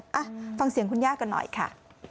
อ่ะฟังเสียงคุณย่ากันหน่อยค่ะ